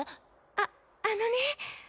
ああのね